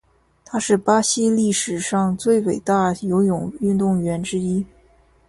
他是巴西历史上最伟大游泳运动员之一。